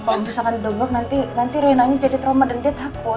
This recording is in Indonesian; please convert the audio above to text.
kalau ngedobrak nanti rhenanya jadi trauma dan dia takut